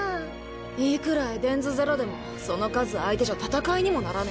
いくらエデンズゼロでもその数相手じゃ戦いにもならねえ。